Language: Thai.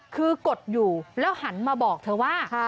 คือกดอยู่แล้วหันมาบอกเธอว่า